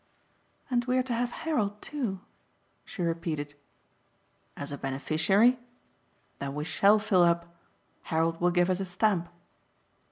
"And we're to have Harold too," she repeated. "As a beneficiary? Then we SHALL fill up! Harold will give us a stamp."